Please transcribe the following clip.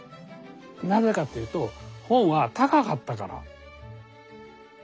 なぜかというと本は高かったから。